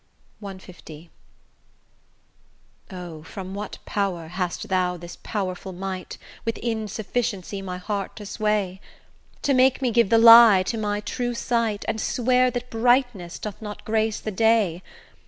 CL O! from what power hast thou this powerful might, With insufficiency my heart to sway? To make me give the lie to my true sight, And swear that brightness doth not grace the day?